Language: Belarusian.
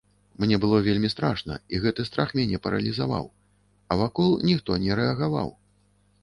Мне было вельмі страшна, і гэты страх мяне паралізаваў, а вакол ніхто не рэагаваў.